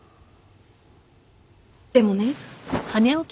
でもね。